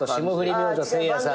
明星せいやさんと。